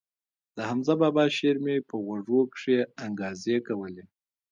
د حمزه بابا شعر مې په غوږو کښې انګازې کولې.